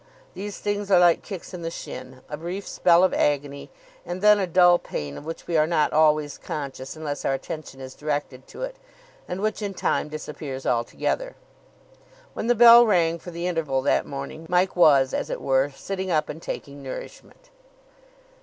These things are like kicks on the shin. A brief spell of agony, and then a dull pain of which we are not always conscious unless our attention is directed to it, and which in time disappears altogether. When the bell rang for the interval that morning, Mike was, as it were, sitting up and taking nourishment.